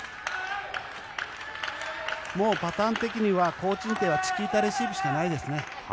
パターン的にはコウ・チンテイはチキータレシーブしかないですね。